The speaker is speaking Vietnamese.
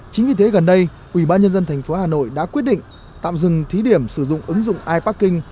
chính vì thế gần đây ubnd tp hà nội đã quyết định tạm dừng thí điểm sử dụng ứng dụng iparking